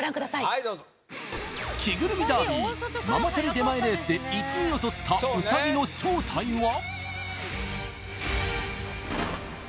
はいどうぞ着ぐるみダービーママチャリ出前レースで１位をとったウサギの正体は？